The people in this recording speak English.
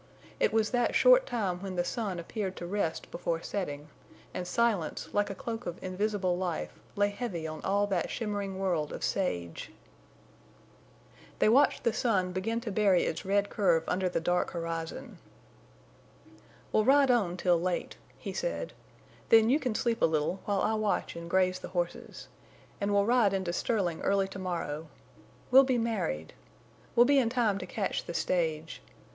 It was that short time when the sun appeared to rest before setting, and silence, like a cloak of invisible life, lay heavy on all that shimmering world of sage. [Illustration: When he and Bess rode up out of the hollow the sun was low.] They watched the sun begin to bury its red curve under the dark horizon. "We'll ride on till late," he said. "Then you can sleep a little, while I watch and graze the horses. And we'll ride into Sterling early to morrow. We'll be married!... We'll be in time to catch the stage.